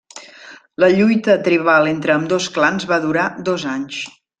La lluita tribal entre ambdós clans va durar dos anys.